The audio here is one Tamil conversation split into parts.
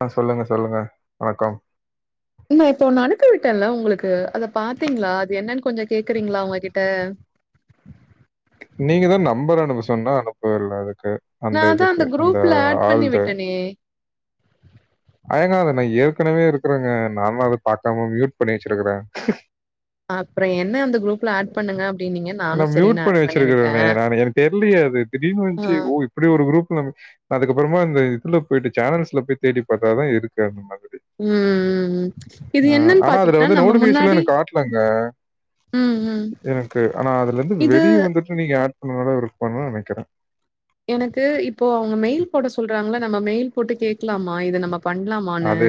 ஆ சொலுங்க சொலுங்க வணக்கம் ஏங்க நா இப்போ அனுப்பி விட்டேன்ல உங்களுக்கு அத பாத்தீங்களா அது என்னனு கொஞ்ச கேக்கறீங்ளா அவுங்ககிட்ட நீங்க தா நம்பர் அனுப்ப சொன்னா அனுப்பவே இல்ல அதுக்கு அந்த நான் தான் இதுக்கு அந்த குரூப்ல ஆட் பண்ணி ஆள்து விட்டேனே! அயங்க அத நா ஏற்கனவே இருக்கறேங்க நாதா அத பாக்காம மியூட் பண்ணி வச்சிருக்கறே அப்புறம் என்ன அந்த குரூப்ல ஆட் பண்ணுங்க அப்டின்னீங்க. நா நானும் மியூட் சரின்னு பண்ணி ஆட் விட்டேன். வெச்சிருக்கிறேனே நா எனக்கு தெர்லெயே அது திடீர்னு ஆ. வந்த்சு ஓ இப்பிடி ஒரு குரூப்ல நம்ம அதுக்கப்பொறமா இந்த இதுல போயிட்டு சேனல்ஸ்ல போய் தேடி பாத்தாதா இருக்கு அந்த மாரி ம், ம், ம். இது ஆ என்னன்னு ஆனா அதுல பாத்தீங்கன்னா, வந்து நம்ம நோட்டிஃபிகேஷன் எல்லா முன்னாடி எனக்கு காட்டலங்க ம், ம். எனக்கு ஆனா அதுல இருந்து இது வெளிய வந்துட்டு நீங்க ஆட் பண்ணனால இருப்பன்னு நனக்கெற எனக்கு இப்போ அவ்ங்க மெய்ல் போட சொல்றாங்களா நம்ம மெய்ல் போட்டு கேக்லாமா இது நம்ம பண்லாமா அது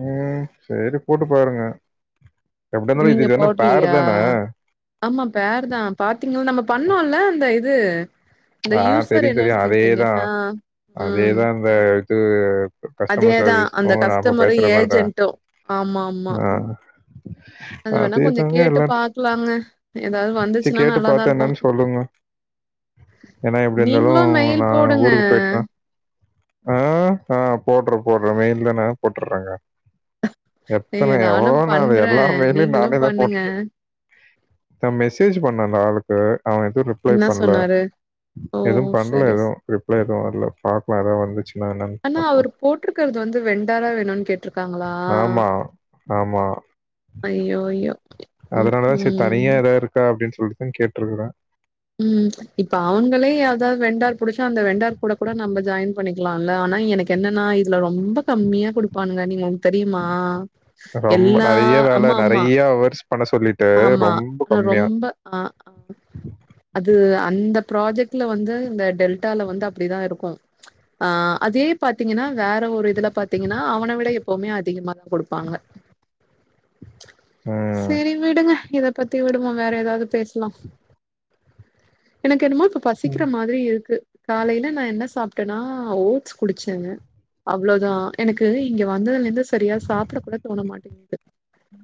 ம் செரி போட்டு பாருங்க எப்பிடி இருந்தாலு இது நீங்க இதான பேர்ரு போடலையா? தான ஆமா பேருதா பாத்தீங்களா நம்ம பண்ணோல அந்த இது அந்த ஆ யூசர் தெரியு என்னோ தெரியு சம்திங்கு ஆ ம் அந்த இதுல கஸ்டமர் அதேதான் சர்வீஸ் அந்த ஃபோன் நாம்ம கஸ்டமரு பேசற மாரிதா ஏஜென்ட்டு ஆமா ஆமா ஆ அது வேணா கொஞ்சோ அதேதாங்க கேட்டு எல்லாத்து பாக்கலாங்க ஏதாவது சேர் வந்துச்சுன்னா கேட்டு நல்லாதா பாத்து என்னன்னு இருக்கு சொல்லுங்க எனா எப்பிடி இருந்தாலு நீங்களு மெயில் நா போடுங்க ஊருக்கு போய்ட்டுற்ற ஆ ஆ போட்றே போட்றே மெய்ல் தான போட்டற்றங்க எத்தன ஏங்க நானு எவ்ளோ நா அது பண்றே எல்லாரு மெய்லியு நீங்களு நானே தா பண்ணுங்க போட்டுட்டு இருக் நா மெசேஜ் பண்ண அந்த ஆளுக்கு அவன் எதோ என்ன சொன்னாரு ஓ எதும் பண்ல சரி ஸ் எதும் ரிப்ளை எதும் வரல பாக்கலா எதாவ்து வந்துச்சுன்னா ந ஆனா அவரு போட்ருக்கறது வந்து வெண்டாரா என்னனு கேட்ருக்காங்களா ஆமா ஆமா ஐயோ ம் அதனாலதா செரி ம் தனியா எதா இருக்கா அப்டின்னு சொல் னு கேட்ருக்கற ம் இப்ப அவங்களே எதாவ் வெண்டார் புடிச்சா அந்த வெண்டார் கூட கூட நம்ம ஜாய்ன் பண்ணிக்கலால்ல ஆனா எனக்கு என்னன்னா இதுல ரொம்ப கம்மியா குடுப்பானுங்க நீங்க உங் தெரியுமா ரொம்ப எல்லா நெறைய வேல அம்மா அம்மா நெறைய அவர்ஸ் பண்ண சொல்லிட்டு ஆமா ரொம்ப க கம்மியா ரொம்ப ஆ அது அந்த ப்ராஜெக்ட்ல வந்து இந்த டெல்டால வந்து அப்டிதா இருக்கு ஆ அதே பாத்தீங்கன்னா வேற ஒரு இதுல பாத்தீங்கன்னா அவனை விட எப்போமே அதிகமாதா குடுப்பாங்க ம் செரி விடுங்க இத பத்தி விடுமா வேற எதாவ்து பேசலாம் எனக்கு என்னமோ இப்ப பசிக்கிற மாதிரி இருக்கு காலேல நா என்ன சாப்ட்டன்னா ஓட்ஸ் குடுச்சேங்க அவ்ளோதா எனக்கு இங்க வந்ததுல இருந்து செரியா சாப்பட கூட தோண மாட்டேங்குது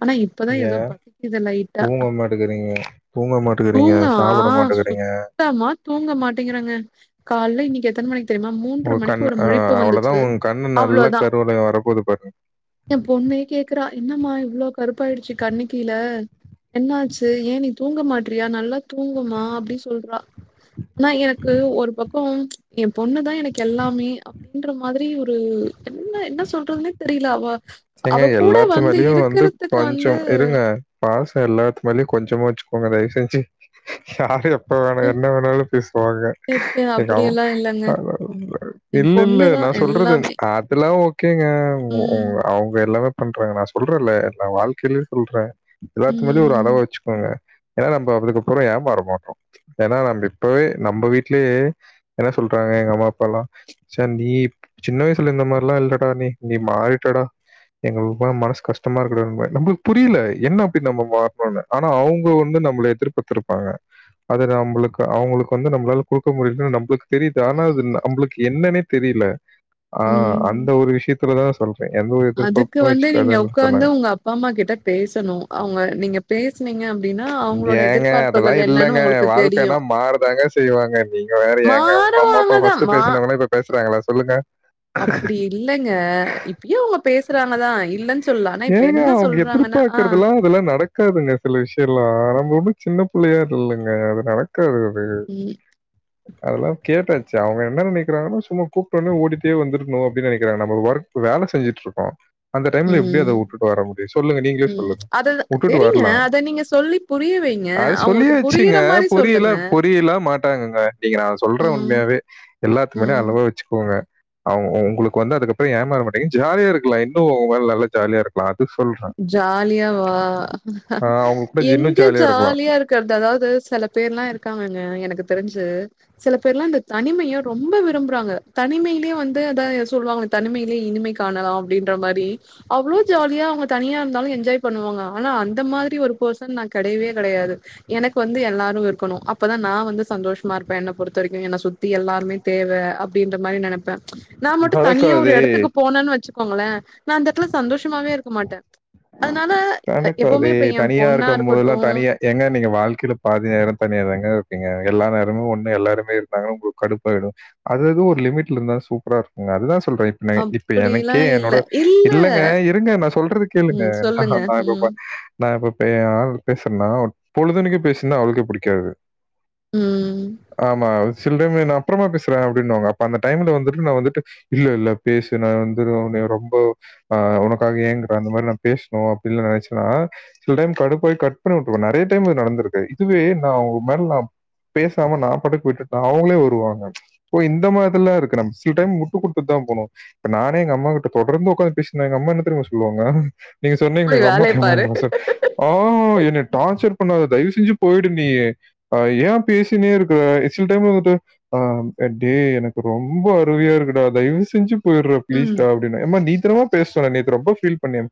ஆனா இப்பதான் ஏ ஏதோ பசிக்குது லைட்டா. தூங்க மாட்டுக்கிறீங்க தூங்க மாட்டுக்கிறீங்க சாப்பட மாட்டுக்கிறீங்க த்தமா தூங்க மாட்டேங்கெறேங்க கால்ல இன்னெக்கி எத்தன மணிக் தெரிமா மூன்ற்ர உங்க மணிக்கு கண் ஒரு ஆ முழிப்பு அவ்ளோதா வந்துச்சு உங்க கண்ணு நல்லா அவ்ளோதா கருவளையோ வரப்போது பாருங்க ஏ பொண்ணே கேக்குறா என்னம்மா இவ்ளோ கருப்பாய்டுச்சு கண்ணுக்கீழ என்னாச்சு ஏ நீ தூங்க மாட்ரியா நல்லா தூங்கம்மா அப்டி சொல்றா ஆனா எனக்கு ஒரு பக் இப்போ ஏ பொண்ணுதா எனக்கு எல்லாமே அ அப்டின்ற மாதிரி ஒரு என்ன என்ன சொல்றதுன்னே தெரியல அவ ஏங்க அவ கூட எல்லாத்துமேலயு வந்து இருக்கறதுக்கு கொஞ்சொ வந்து இருங்க பாசொ எல்லாத்துமேலயு கொஞ்சமா வெச்சுக்கோங்க தய்வு செஞ்சு யாரு எப் எப்ப வேணா என்ன வேணாலு பேசுவாங்க எங்கௌ அப்படியெல்லா இல்லங்க என் இல்ல இல்ல பொண்ணுதா நா சொல்றது எல்லாமே அதுல்லா ஓ க்கேங்க ம் அவுங்க எல்லாமே பண்றாங்க நா சொல்றேல்ல எல்லா வாழ்க்கையிலயு சொல்ற எல்லாத்துகுமேலயு ஒரு ம் அளவா வச்சுக்கோங்க ஏன்னா நம்ம அதுக்குப்புறோ ஏமாற மாட்டோ ஏன்னா நம்ம இப்பவே நம்ம வீட்லயே என்ன சொல்றாங்க எங்க அம்மா அப்ப எல்லா சந்தீப் சின்ன வயசுல இந்த மாரிலா இல்லடா நீ நீ மாறிட்டடா எங்களுக்குலா மனசு கஷ்டமா இருக்குடா ரொம்ப நம்பளுக்கு புரியல என்ன அப்டி நம்ம மாறுணுனு ஆனா அவுங்க வந்து நம்மள எதிர்ப்பத்திருப்பாங்க அத நம்பளுக்கு அவுங்களுக்கு வந்து நம்மளால கொடுக்க முடியலனு நம்மளுக்கு தெரியுது ஆனா அது நம்பளுக்கு என்னன்னே தெரியல ஆ ம் அந்த ஒரு விஷயத்துல தா சொல்றே எந்த ஒரு எதிர்பார்ப்புமே வச்சுக்காதன்னு சொன்னாங்க அப்ப அம்மா கிட்ட பேசணு அவுங்க நீங்க பேசனீங்க அப்டின்னா அவுங்களோட ஏங்க அதெல்லாம் எதிர்பார்ப்புகள் என்னன்னு இல்லங்க. உங்களுக்கு தெரியு வாழ்க்கைன்னா மாறதாங்க செய்வாங்க நீங்க வேற ஏங்க உங்க அம்மா அப்பா தான். பஸ்ட்டு பேசனவங்கலா இப்போ பேசுறாங்களா சொல்லுங்க அப்டி இல்லெங்க இப் யோவுங்க பேசுறாங்கதா இல்லன்னு சொல்லா ஆனா இப்ப என்ன சொல்றாங்கன்னா ஆ கெல்லா நடக்காதுங்க சில விஷயல்லா நம்ம ஒன்னு சின்ன புள்ளையாட இல்லங்க அது நடக் கதுக்குபே ம், அதெல்லா கேட்டாச்சுஅவுங்க என்ன நினைக்கிறாங்கன்ன சும் கூப்ட்டோனே ஓடிட்டே வந்துட்றுனு அப்பின்னு நினைக்கிறாங்க நம்ம ஒர்க் வேல செஞ்சுட்டு இருக்கோ அந்த டைம்ல எப்டி அத ம், வுட்டுட்டு வர முடியு சொல்லுங்க நீங்களே ம். சொல்லுங்க அத வுட்டுட்டு சரிங்க. வர்லா அத நீங்க சொல்லி புரிய வைங்க. அது சொல்லிய அவங்களுக்கு புரியிற வச்சுங்க மாரி புரியல சொல்லுங்க. புரியல மாட்டாங்கங்க நீங்க நா சொல்றே ம், உண்மயாவே எல்லாத்துக்குமேலயு ம். அழவா வச்சுக்கோங்க அவுங்க உங்களுக்கு வந்து அதுக்கப்புறோ ஏமாற மாட்டிங்க ஜாலியா இருக்கலா இன்னு உங்க மேல நல்லா ஜாலியா இருக் பாத்து சொல் ஜாலியா வா அ அவங்க கூட இன்னும் எங்க இருக்கலாம். ஜாலியா இருக் க்கிறது அதாவுது சில பேர் எலா இருக்காங்கங்க எனக்கு தெரிஞ்சு சில பேர்லா அந்த தனிமைய ரொம்ப விரும்புறாங்க தனிமையிலேயே வந்து அதா சொல்லுவாங்க தனிமையிலே இனிமை காணலாம் அப்டின்ற மாரி அவ்ளோ ஜாலியா அவுங்க தனியா இருந்தாலு என்ஜாய் பண்ணுவாங்க ஆனா அந்த மாதிரி ஒரு பெர்சன் நா கெடயவே கெடயாது எனக்கு வந்து எல்லாரு இருக்கணு அப்பதா நா வந்து சந்தோஷமா இருப்பே என்ன பொறுத்த வரைக்கு என்ன சுத் தி எல்லாருமே தேவ அப்படின்ற மாரி நெனப்ப நா மட்டு தனியா ஒரு நடக்காதே, எடத்துக்கு போனன்னு வச்சுக்கோங்களே நா அந்த எடத்துல சந்தோஷமாவே இருக்க மாட்டே அதனால அ எப்பவுமே தனக்கதே இப்ப என் தனியா பொண்ணா இருக்கம்போதல்லா இருக்கட்டு தனியா எங்க நீங்க வாழ்க்கையில பாதி நேரோ தனியா தாங்க இருப்பீங்க எல்லா நேரமு ஒண்ணு எல்லாருமே இருந்தாங்க உங்களுக்கு கடுப்பாயிடு அது அது ஒரு லிமிட்ல இருந்தா சூப்பரா இருக்குங்க அதுதா சொல்றே இப்ப அப்படிலா எனக்கே இல்ல என்னோட இல்ல இல்லெங்க இருங்க நா சொல்றது கேளுங்க ம் சொல்லுங்க ந நா ம் இப்பப்ப நா இப்ப ஏ ஆள் பேசுறன்னா பொழுதனிக்கு பேசுன்னா அவளுக்கே புடிக்காது ம். ஆமா சில்றமே நா அப்புறமா பேசுறே அப்டின்னுவாங்க அப்ப அந்த டைம்ல வந்து நா வந்துட்டு இல்ல இல்ல பேசு நா வந்து உன ரொம்போ ஆ உனக்காக ஏங்கற அந்த மாதிரி நா பேசுணு அப்டின்னு நெனச்சன்னா சில டைம் கடுப்பாய் கட் பண்ணி வுட்டுருக்க நிறைய டைம் இது நடந்திருக்கு இதுவே நா உங்க மேல நா பேசாம நா பாட்க்கு விட்டுட்ட அவுங்களே வருவாங்க ஓ இந்த மாதிரில்லா இருக்கறா டைம் முட்டு கொட்த்துட்டு தா போனு இப்ப நானே எங் அம்மாகிட தொடர்ந்து உக்காந்து பேசிருந்த எங்க அம்மா என்ன தெரியுமா சொல்லுவாங்க நீங்க சொன்னீங்கள போய் வேலைய ஒங்கம்மாக்கு எவ்ளோ பாரு. மனசு ஆ என்னய டார்ச்சர் பண்ணாத தயவு செஞ்சு போய்டு நீயி அ ஏ பேசினே இருக்க சில் டைம் வந்துட்டு ஆ டேய் எனக்கு ரொம்ப அசதியா இருக்குட தயவு செஞ்சு போய்டுற ம். பிளீஸ்டா அப் டின்னு எம்மா நீத்தரமா பேசு சொன்ன நேத்து ரொம்ப ஃபீல் பண்ணியே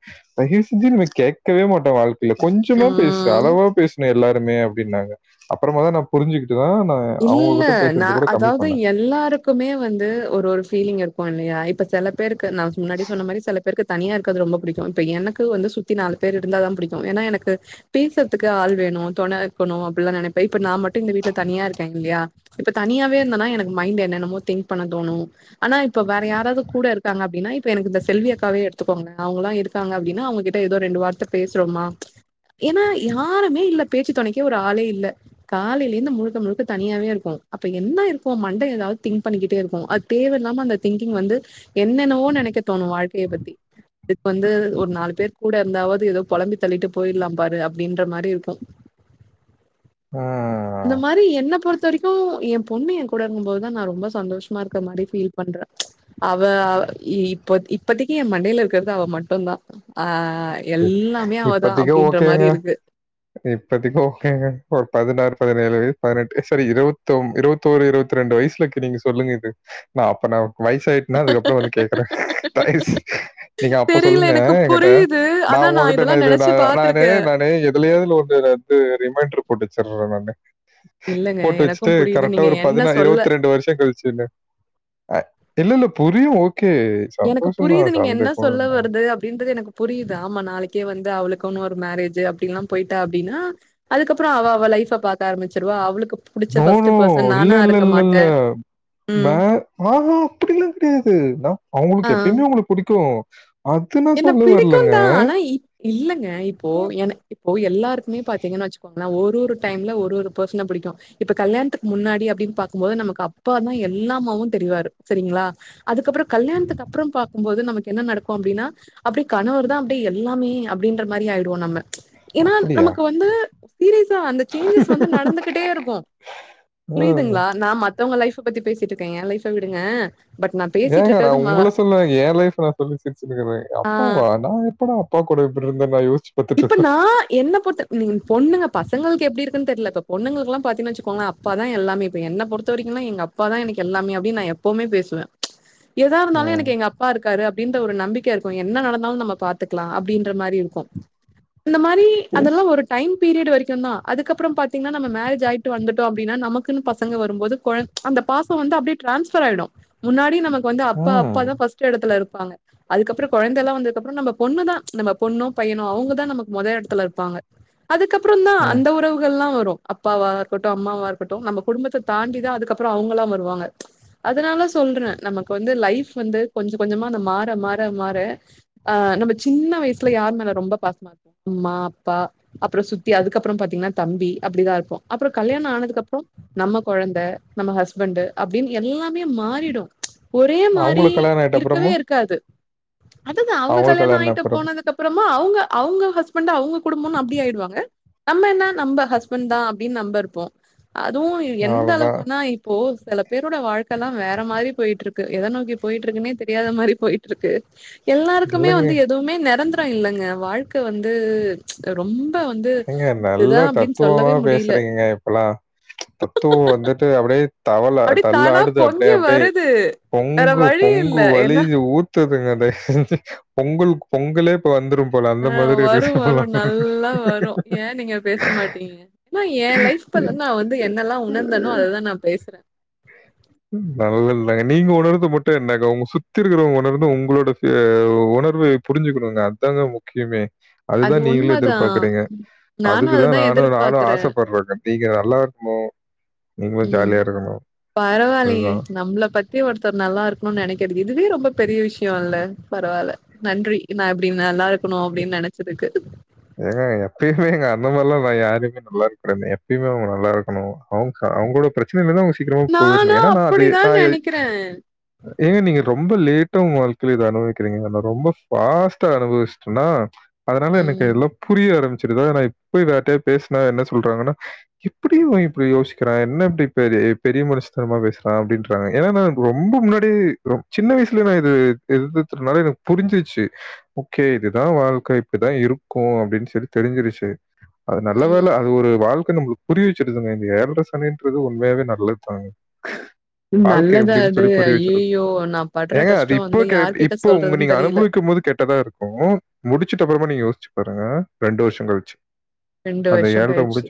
[unintelligible] கேடக்கவே மாட்ட வாழ்க் கைல ம். கொஞ்சமா பேசு ம். அளவா பேசணு எல்லாருமே அப்டின்னாங்க அப்பறமா தா நா புரிஞ்சுக்கிட்டு தா நா இல்ல நா அதாவ்து எல்லாருக் க்குமே வந்து ஒரு ஒரு ஃபீலிங் இருக்கு இல்லையா இப்ப சில பேருக்கு நா முன்னாடி சொன்ன மாரி செலப் பேருக்கு தனியா இருக்கது ரொம்ப புடிக்கு இப்ப எனக்கு வந்து சுத்தி நாலு பேர் இருந்தா தா புடிக்கு ஏன்னா எனக்கு பேசுறதுக்கு ஆள் வேணு தொணக்கணு அப்பில்லா நெனப்பே இப்ப நா மட்டு இந்த வீட்டுல தனியா இருக் கே இல்லியா இப்ப தனியாவே இருந்தன்னா எனக்கு மைண்ட் என்னென்னமோ திங்க் பண்ண தோணு ஆனா இப்ப வேற யாராது கூட இருக்காங்க அப்டின்னா இப்ப எனக்கு இந்த செல்விக்காவே எடுத்துக்கோங்க அவங்கல்லா இருக் காங்க அப்டின்னா அவுங்ககிட்ட ஏதோ ரெண்டு வார்த்த பேசுறோமா ஏன்னா யாருமே இல்ல பேச்சு துணைக்கே ஒரு ஆளே இல்ல காலைலேந்து முழுக்க முழுக்க தனியாவே இருக்கோ அப்ப என்ன இருக்கு மண்ட ஏதாவ்து திங்க் பண்ணிக்கிட்டே இருக்கு அது தேவையில்லாம அந்த திங்கிங் வந்து என்னென்னவோன்னு நெனைக்க தோணு வாழ்க்கைய பத்தி இப் வந்து ஒரு நாலு பேர் கூட இருந்தாவ்து ஏதோ பொழம்பி தள்ளிட்டு போய்ரலா பாரு அப்டின்ற மாரி இருக்கு ஆ அந்த மாரி என்னப் பொறுத்த வரைக்கு என் பொண்ணு என் கூட இருக்குபோதுதா நா ரொம்ப சந்தோஷமா இருக்க மாரி ஃபீல் பண்றே அவ அவ் இ இப்ப இப்பதிக்கி என் மண்டையில இருக்கறது அவ மட்டுதா ஆ இப் எல்லாமே அவதா அப்டின்ற மாரி இருக்கு இப்பதிக்கு ஓகேங்க ஒரு பதினாறு பதினேழு [inaudible] பதினெட்டு சரி இருவத்தொ இருவத் தொரு இருவத் ரெண்டு வய்சுலக்க நீங்க சொல்லுங்க இது நா அப்ப நா வயசாய்ட்டு இன்னா அதுக்கப்பறோ வந்து கேக்குறே தஸ் நீங்க அப்ப தெரியல சொல்லுங்க எனக்கு என்கிட்ட புரியுது. ஆனா நான் அவுங்ககிட்ட நா இதெல்லாம் இது ந நெனச்சு நானே பாத்துருக்கேன். ந னு எதுலியோ இதுல வந்து இதுல வந்துட்டு ரிமைண்டர் போட்டுச்சர்றே நானு இல்லங்க போட்டு வச்சுட்டு எனக்கும் புரியுது. கரெக்டா நீங்க ஒரு என்ன பதினா சொல்ல இருவத் ரெண்டு வருஷ கழிச் [inaudible] இல்ல இல்ல புரியு ஓகே எனக்கு சந்தோஷம் புரியுது தான் நீங்க என்ன சந்தேகம் சொல்ல இல்ல. வருது அப்டின்றது எனக்கு புரியுதா ஆமா நாளைக்கே வந்து அவுளுக்குன்னு ஒரு மேரேஜ்ஜி அப்டின்ல்லா போய்ட்டா அப்டின்னா அதுக்கப்பறோ அவ அவ லைஃப்ப பாக்க ஆரம்பிச்சடுவா அவ்ளுக்கு நோ நோ இல்ல இல்ல இல்ல இல்ல நா ம். ஆஹான் அப்டில்லா கெடையாது நா ஆ. அவுங்களுக்கு எப்பயுமே உங்கள புடிக்கு அது நா என்ன சொல்ல பிடிக்கும் வர்லங்க தான். ஆனா இப் இல்லங்க இப்போ ஏ இப்போ எல்லாருக்குமே பாத்தீங்கன்னா வச் சுக்கோங்களா ஒரு ஒரு டைம்ல ஒரு ஒரு பெர்சன புடிக்கு இப்ப கல்யாணத்துக்கு முன்னாடி அப்டின்னு பாக்கும்போது நமக்கு அப்பா தா எல்லாமாவு தெரியவாரு சரிங்களா அதுக்கப்பறோ கல்யாணத்துக்கு அப்பறோ பாக்கு போது நமக்கு என்ன நடக்கு அப்டின்னா அப்டே கணவர்ரு தா அப்டியே எல்லாமே அப்டின்ற மாரியே ஆயிடு நம்ம ஏன்னா அப்படியா? நமக்கு வந்து சீரியஸா அந்த சேஞ்சஸ் வந்து நடந்துகிட்டே இருக்கும் ஆ. புரியுதுங்களா நா மத்தவங்க லைஃப் பத்தி பேசிட்டு இருக்கே என் லைஃப விடுங்க பட் நான் பேசிட்டு ஏங்கா நா இருக்கிறது ம உங்கள சொல்லங்க ஏ லைஃப் நா ல்லி சிரச்சிட்டு இருக்கறாங்க ஆ. அப்பாவ நா எப்பட அப்பா கூட இருந்துருக்கே இந்த மாரி யோசிச் இப்ப நா என்ன பொருத்த [unintelligible] பொண்ணுங்க பசங்களுக்கு எப்டி இருக்குன்னு தெர்ல இப்ப பொண்ணுங்களுக்குல்லா பாத்துங்கனா வச்சுக்கோங்க அப்பா தா எல்லாமே இப்ப என்ன பொருத்த வரைங்கனா எங்க அப் ப்ப தா எனக்கு எல்லாமே அப்டின்னு நா எப்பவுமே பேசுவே எதா இருந்தாலு ம். எனக்கு எங்க அப் பா இருக்காரு அப்டின்ற ஒரு நம்பிக்க இருக்கு என்ன நடந்தாலு நம்ம பாத்துக்லா அப்டின்ற மாரி இருக்கு இந்த மாரி அதெல்லா ஒரு டைம் பீரியட் வரைக்குந் தா அதுக்கப்புறம் பாத்தீங்கன்னா நம்ம மேரேஜ் ஆயிட்டு வந்துட்டோ அப்டினா நமக்குன் பசங்க வரும்போது கொழ அந்த பா வந்து அப்டியே டிரான்ஸ்பர் ஆயிடும் முன்னாடி நமக்கு வந்து அப்பா அப்பா ம். தா பர்ஸ் ச எடத்துல இருப்பாங்க அதுக்கப்புறம் கொழந்தெல்லா வந்ததுக்கப்புறம் நம்ம பொண்ணு தா நம்ம பொண்ணோ பையனோ அவுங்க நமக்கு மொத எடத்துல இருப்பாங்க அதுக்கப்புறந் தா ம். அந்த உறவுகள்லா வரு அப்பாவா இருக்கட்டு அம்மாவா இருக்கட்டு நம்ம குடும்பத்த தாண்டிதா அதுக்கப்புற அவங்களா வருவாங்க அதனால சொல்ற நமக்கு வந்து லைஃப் வந்து கொஞ்ச கொஞ்சமா அந்த மாற மாற மாற ஆ நம்ம சின்ன வயசுல யாரு மேல ரொம்ப பாசமா அம்மா அப்பா அப்புறோ சுத்தி அதுக்கப்புறம் பாத்தீங்கன்னா தம்பி அப்டிதா இருப்போ அப்புறம் கல்யாணோ ஆனதுக் அப்றோ நம்ம கொழந்த நம்ம ஹஸ்பண்ட் அப்டின்னு எல்லாமே மாறிடு ஒரே மாரி அவங்களுக்கு கல்யாணம் ஆயிட்ட இருக்கவே அப்புறமும்? இருக்காது அததா அவங்க அவங்களுக்கு கல்யாணோ கல்யாணம் ஆயிட்டு அப்புறம். போனதுக்கு அப்புறமா அவுங்க அவங்க ஹஸ்பண்ட் அவங்க குடும்பன் அப்டி ஆயிடுவாங்க நம்ம என்ன நம்ம ஹஸ்பண்ட் தா அப்டின்னு நம்ப இருப்போ அதுவு எந்த அவ்வளோதான். அளவுக்குனா இப்போ சில பேரோட வாழ்க்கை எல்லா வேற மாரி போயிட்டு இருக்கு எத நோக்கி போயிட்டு இருக்குன்னே தெரியாத மாரி போயிட்டு இருக்கு எல்லாருக்குமே இல்லங்க. வந்து எதுவுமே நெரந்தரோ இல்லங்க வாழ்க்கை வந்து ரொம்ப வந்து இதுதா அப்டின் சொல்லவே முடியில ங்க இப்பல்லா தத்துவோ வந்துட்டு அப்டே தவள அப்படியே தானா தல்லாடுது அப்டி பொங்கி அப்டி வருது. வேற பொங்கு வழி இல்ல. பொங்கு ஏன்னா வலியிது ஊத் துதுங்க அத பொங்குல் பொங்கலே இப்ப வந்துரு போல அந்த அ மாதிரி இருக்கு வரும், இப்பல்லா வரும். நல்லா வரும். ஏன் நீங்க பேச மாட்டீங்க மா என் லைஃப் ப நா வந்து என்னெல்லா உணர்ந்தனோ அதல்லா நா பேசறே நல்ல இல்ல நீங்க உணர்ந்து மட்டு என்னங்க உங்க சுத்தி இருக்கிறவங்க உணர்ந்து உங்களோட உணர்வு புரிஞ்சுக்கணுங்க அத்தாங்க முக்கியமே அதுதா அது நீங்களே உண்மதான். எதிர்பார்க்கறீங்க நானும் அதுக்குதா அதுதான் நானு நானு எதிர்பார்க்கிறேன். ஆசபட்றங்க நீங்க நல்லா இருக்னு ம் பரவால்லையே அதுதான். நம்பள பத் தி ஒருத்தர் நல்லா இருக்கணுன்னு நெனைக்கறத் இதுவே ரொம்ப பெரிய விஷ்யோ இல்ல பரவால்ல நன்றி நா இப்பிடி நல்லா இருக்கணுன் அப்டின் நெனச்சதுக்கு ஏங்க எப்பயுமே எங்க அந்த மார்ல்லா நா யாருமே நல்லா இருக்கனுன்னு எப்பயுமே உங்க நல்லா இருக்கணு அவ்ங்கா அவ்ங்களோட பிரச்சனைல இந்து அவுங்க சீக்கிரமா நானா போயிட்ணு ஏனா நா அது அப்டிதா நா நெனைக்கிறே ஏங்க நீங்க ரொம்ப லேட்டா உங்க வாழ்க்கையில இத அனுபவிக்கிறீங்க ஆனா ரொம்ப ஃபாஸ்ட்டா அனுபவிச்டனா அதனால எனக்கு ம் எல்லா புரிய ஆரம்பிச்சிருதா நா இப்போய் யார்ட்டையாது பேசுனா என்ன சொல்றாங்கன்னா எப்பிடி இவ இப்படி யோசிக்கிறா என்ன இப்டி பெரிய மனுஷ தனமா பேசுறா அப்டின் டாங்க ஏனா நம்ப ரொம்போ முன்னாடி ரொ சின்ன வயஸ்ல நா இது [unintelligible] த்துனால எனுக்கு புரிஞ்சிர்ச்சி ஓக்கே இதுதா வாழ்க்க இப்பித்தா இருக் இருக்கோ அப்டின் சொல்லி தெரிஞ்சிருச்சு அது நல்ல வேல அது ஒரு வாழ்க்க நம்புளுக் புரிய வெச்சிருதுங்க ஏழ்ர சனின்றது உண்மையாவே நல்லத்தா வாழ்க்க நல்லதா எப்டின் அது சொல்லி புரி வெச்சிர்ரோ ஐயயோ நா படுற ஏங்க அது கஷ்டோ இப்போ வந்து கே யார்கிட்ட இப்போ உங்க சொல்றதுன் நீங்க தெரியல அனுபவிக்கும் போது கேட் டதா இருக்கோ முடிச்சுட்டுப்பறமா நீ யோஸ்சு பாருங்க ரெண்டு வருஷோ கழிச்சி ரெண்டு வர்ஷோ கழிச்சி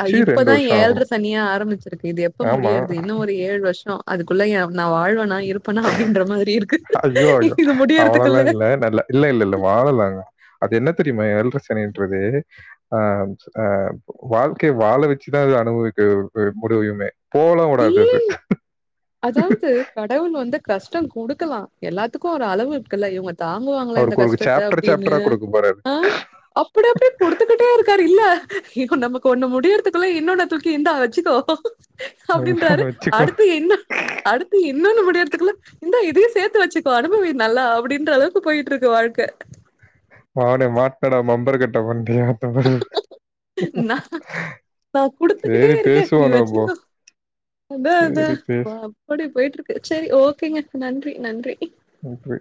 அ இப்பதா வருஷம் ஏழ்ர ஆகணும். சனியே ஆரம்பிச்சிருக்கு இது எப்போ ஆமா. முடியர்து இன்னு ஒரு ஏழு வர்ஷோ அதுக்குள்ளே ஏ நா வாழ்வனா இருப்பனா அப்டின்ற மாதிரி இருக்கு ஐயோ! ஐயோ! இது முடியறதுக்குள்ள அவ்வளோலாம் இல்ல. நல்லா இல்ல இல்ல இல்ல வாழலாங்க அது என்ன தெரியுமா ஏல்ர சனின்றது அ அ வாழ்க்கைய வாழ வச்சுதா அனுபவிக்க [unintelligible] முடியுமே போலா உடாது இல் அது அதாவது கடவுள் வந்து கஷ்டோ குடுக்கலா எல்லாதுக்கு ஒரு அளவு இருக்கு இல்ல இவங்க தாங்குவாங்களா இந்த அவருக்கு ஒரு கஷ்டத்த சாப்டர் சாப்டரா அப்டின்னு குடுக்க போறாரு. ஆ அப்டி அப்டி குடுத்துக்கிட்டே இருக்காரு இல்ல அய்யோ நமக்கு ஒண்ணு முடியறதுக்குள்ள இன்னொன்ன தூக்கி இந்தா வச்சுக்கோ என்ன அப்டின்றாரு வச்சுக்கோ. அடுத்து என்ன அடுத்து இன்னொன்னு முடியர்த்துகுல்ல இந்தா இதையு சேத்து வச்சுக்கோ அனுபவி நல்லா அப்டின்ற அளவுக்கு போயிட்ருக்கு வாழ்க்க மவனே மாட்னடா பம்பரகட்ட மண்டயா அத்த மாரி நா நா குடுத்துக்கிட்டே சரி இருக்கே நீ பேசுவோம் நம்போ. வெச்சுக்கோ அதா அதா சரி பா பேசு அப்படி போயிட்ருக்கு சேரி ஓகேங்க நன்றி நன்றி ஓகே